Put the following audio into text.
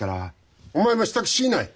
お前も支度しない！